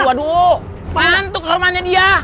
waduh mantuk kehormahannya dia